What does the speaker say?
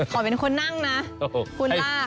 ขอเป็นคนนั่งนะคุณล่า